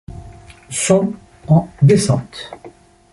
Son en descente.